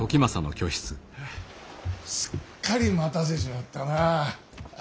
すっかり待たせちまったな。